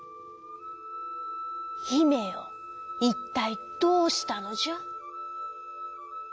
「ひめよいったいどうしたのじゃ？」。